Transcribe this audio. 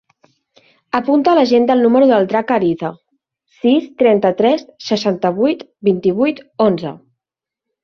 Apunta a l'agenda el número del Drac Ariza: sis, trenta-tres, seixanta-vuit, vint-i-vuit, onze.